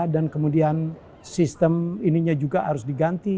dan kemudian sistem ininya juga harus diganti